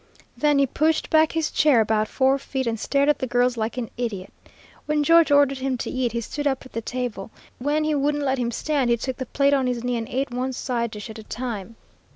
Then he pushed back his chair about four feet, and stared at the girls like an idiot. When George ordered him to eat, he stood up at the table. When he wouldn't let him stand, he took the plate on his knee, and ate one side dish at a time.